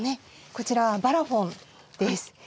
こちらはバラフォンです。